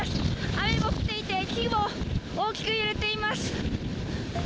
雨も降っていて、木も大きく揺れています。